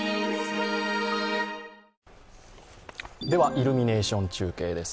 イルミネーション中継です。